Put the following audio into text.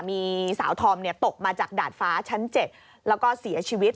มีสาวธอมตกมาจากดาดฟ้าชั้น๗แล้วก็เสียชีวิต